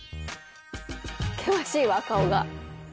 険しいわ顔が。